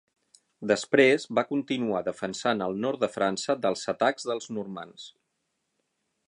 Després va continuar defensant el nord de França dels atacs dels normands.